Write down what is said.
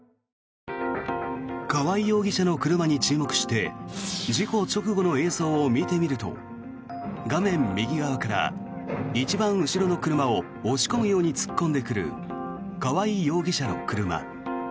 川合容疑者の車に注目して事故直後の映像を見てみると画面右側から一番後ろの車を押し込むように突っ込んでくる川合容疑者の車。